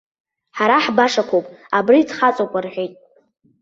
Ҳара ҳбашақәоуп, абри дхаҵоуп рҳәеит.